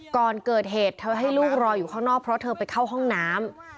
ก่อนเกิดเหตุเธอให้ลูกรออยู่ข้างนอกเพราะเธอไปเข้าห้องน้ำ